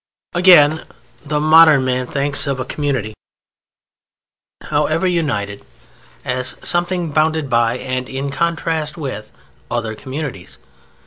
Again, the modern man thinks of a community, however united, as something bounded by, and in contrast with, other communities.